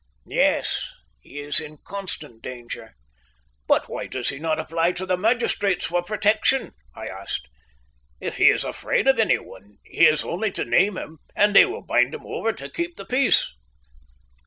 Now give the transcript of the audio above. "Yes; he is in constant danger." "But why does he not apply to the magistrates for protection?" I asked. "If he is afraid of any one, he has only to name him and they will bind him over to keep the peace."